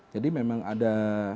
jadi memang ada